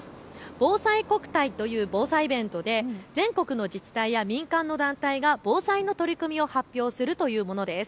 ぼうさいこくたいという防災イベントで全国の自治体や民間の団体が防災の取り組みを発表するというものです。